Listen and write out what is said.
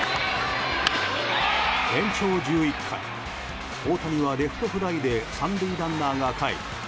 延長１１回大谷はレフトフライで３塁ランナーがかえり